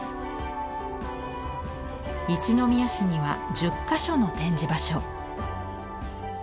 一宮市には１０か所の展示場所。